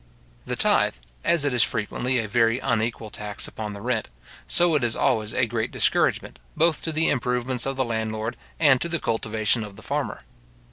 The tythe, as it is frequently a very unequal tax upon the rent, so it is always a great discouragement, both to the improvements of the landlord, and to the cultivation of the farmer.